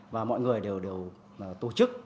và mọi người đều tổ chức